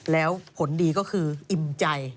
แล้วผลดีก็คืออิ่มใจ